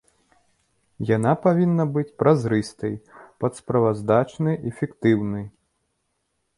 Яна павінна быць празрыстай, падсправаздачнай, эфектыўнай.